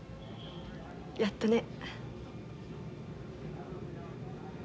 やっとね。